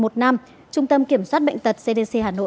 trung tâm kiểm soát bệnh tật cdc hà nội